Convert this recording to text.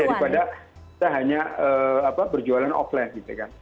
jadi pada kita hanya berjualan offline gitu kan